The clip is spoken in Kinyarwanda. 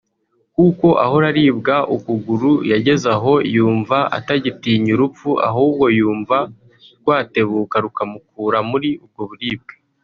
kuko ahora aribwa ukuguru; yageze aho yumva atagitinya urupfu ahubwo yumva rwatebuka rukamukura muri ubwo buribwe